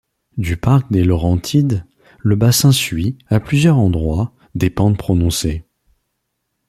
Du Parc des Laurentides, le bassin suit, à plusieurs endroits, des pentes prononcées.